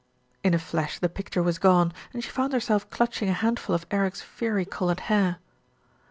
In a flash the picture was gone, and she found her self clutching a handful of Eric's fiery coloured hair.